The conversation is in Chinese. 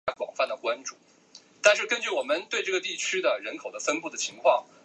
绘画师事狩野派的山本素轩。